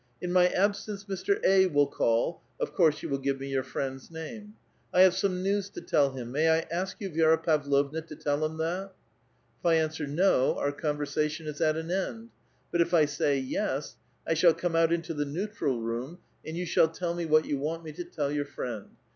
In my absence Mr. A. will call (of course you will give me your friend's name) ; I have some news to tell him ; may I ask you, Vi^ra Pavlovna, to tell him tliat ?* If I answer ' no ' our conversation is at an end ; but if I say ' yes * 1 shall come out into the neutral room, and you shall tell me what you want me to tell your friend.